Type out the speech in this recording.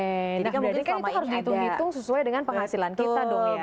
jadi kamu berarti itu harus dihitung hitung sesuai dengan penghasilan kita dong ya